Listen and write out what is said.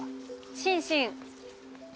シンシン。